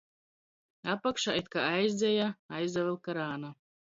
Apakšā it kai aizdzeja, aizavylka rāna.